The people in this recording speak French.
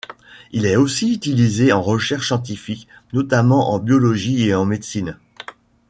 Il est aussi utilisé en recherche scientifique, notamment en biologie et en médecine.